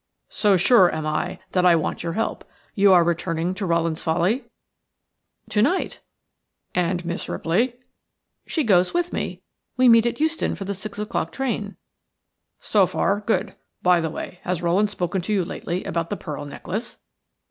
"So sure am I, that I want your help. You are returning to Rowland's Folly?" "To night." "And Miss Ripley?" "She goes with me. We meet at Euston for the six o'clock train." "So far, good. By the way, has Rowland spoken to you lately about the pearl necklace?"